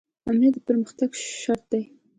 امنیت د پرمختګ شرط دی